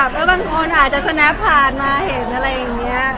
คือบางคนอาจจะพนับผ่านมาเห็นอะไรอย่างนี้